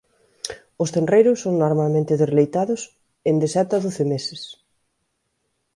Os tenreiros son normalmente desleitados en de sete a doce meses.